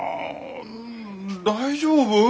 ん大丈夫？